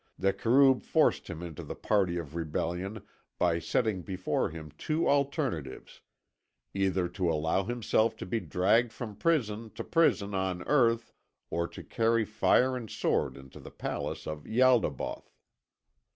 The Kerûb forced him into the party of rebellion by setting before him two alternatives: either to allow himself to be dragged from prison to prison on earth, or to carry fire and sword into the palace of Ialdabaoth.